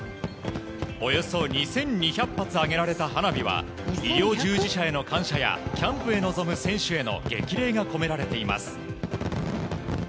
およそ２２００発上げられた花火は医療従事者への感謝やキャンプへ臨む選手への激励が込められています。